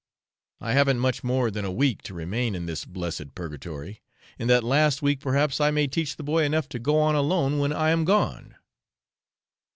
I haven't much more than a week to remain in this blessed purgatory, in that last week perhaps I may teach the boy enough to go on alone when I am gone.